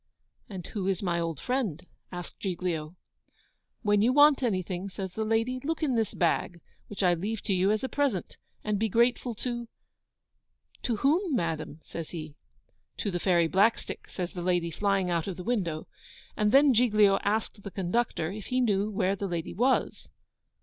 'And who is my old friend?' asked Giglio. 'When you want anything,' says the lady, 'look in this bag, which I leave to you as a present, and be grateful to ' 'To whom, madam?' says he. 'To the Fairy Blackstick,' says the lady, flying out of the window. And then Giglio asked the conductor if he knew where the lady was?